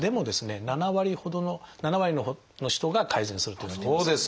７割ほどの７割の人が改善するといわれています。